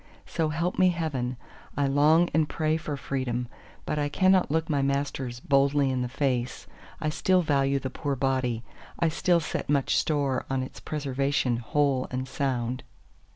So help me heaven, I long and pray for freedom! But I cannot look my masters boldly in the face; I still value the poor body; I still set much store on its preservation whole and sound.